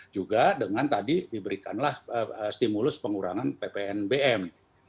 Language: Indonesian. juga dengan tadi diberikanlah stimulus pengurangan ppnbm